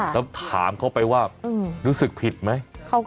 แล้วถามเขาไปว่ารู้สึกผิดไหม